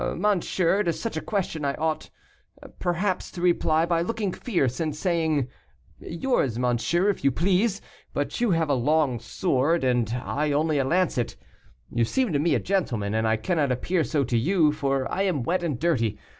"Monsieur, to such a question I ought, perhaps, to reply by looking fierce, and saying, 'Yours, monsieur, if you please; but you have a long sword, and I only a lancet; you seem to me a gentleman, and I cannot appear so to you, for I am wet and dirty.